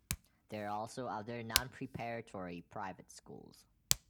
There are also other non-preparatory private schools.